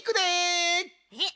えっ！